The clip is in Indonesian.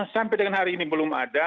sampai dengan hari ini belum ada